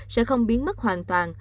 sẽ không biến mất hoàn toàn